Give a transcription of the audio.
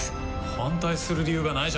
反対する理由がないじゃないか！